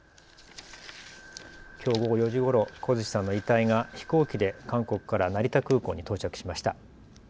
きょう午後４時ごろ、小槌さんの遺体が飛行機で韓国から成田空港に到着しました。